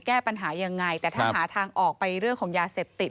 แก้ปัญหายังไงแต่ถ้าหาทางออกไปเรื่องของยาเสพติด